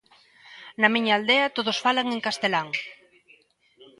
Na miña aldea todos falan en castelán.